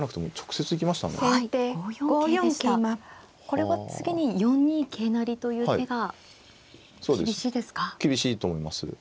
これは次に４二桂成という手が厳しいですか。